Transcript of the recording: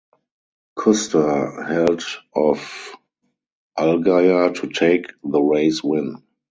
Custer held off Allgaier to take the race win.